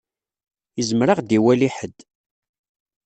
Izmer ad ɣ-d-iwali ḥedd.